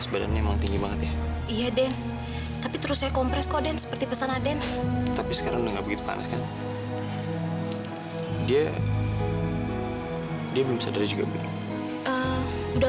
sampai jumpa di video selanjutnya